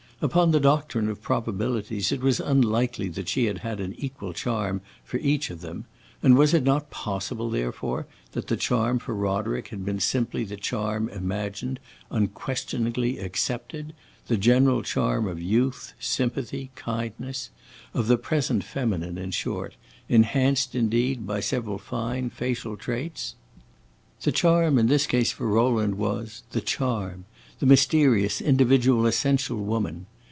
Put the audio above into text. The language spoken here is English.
Upon the doctrine of probabilities, it was unlikely that she had had an equal charm for each of them, and was it not possible, therefore, that the charm for Roderick had been simply the charm imagined, unquestioningly accepted: the general charm of youth, sympathy, kindness of the present feminine, in short enhanced indeed by several fine facial traits? The charm in this case for Rowland was the charm! the mysterious, individual, essential woman.